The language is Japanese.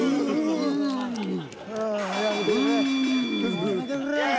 もうやめてくれ。